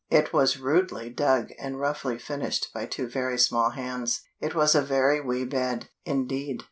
It was rudely dug and roughly finished by two very small hands. It was a very wee bed, indeed.